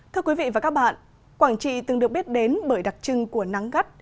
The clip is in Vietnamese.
thưa quý vị và các bạn quảng trị từng được biết đến bởi đặc trưng của nắng gắt